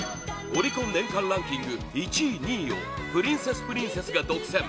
オリコン年間ランキング１位、２位をプリンセスプリンセスが独占